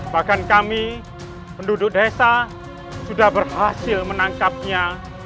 bahkan kami penduduk desa sudah berhasil menangkapnya